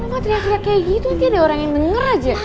emang terlihat terlihat kayak gitu nanti ada orang yang denger aja